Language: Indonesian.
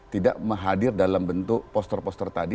tidak menghadir dalam bentuk poster poster tadi